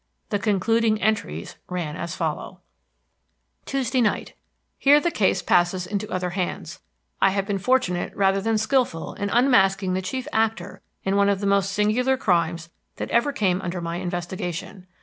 The concluding entries ran as follow: "Tuesday Night. Here the case passes into other hands. I have been fortunate rather than skillful in unmasking the chief actor in one of the most singular crimes that ever came under my investigation.